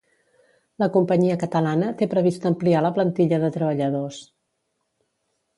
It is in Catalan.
La companyia catalana té previst ampliar la plantilla de treballadors.